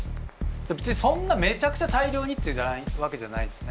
別にそんなめちゃくちゃ大量にっていうわけじゃないんすね。